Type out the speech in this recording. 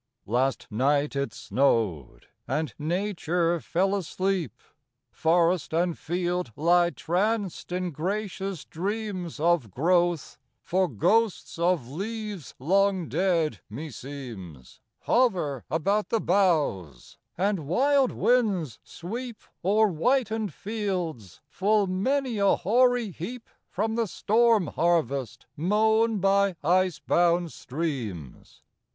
Last night it snowed; and Nature fell asleep. Forest and field lie tranced in gracious dreams Of growth, for ghosts of leaves long dead, me seems, Hover about the boughs; and wild winds sweep O'er whitened fields full many a hoary heap From the storm harvest mown by ice bound streams!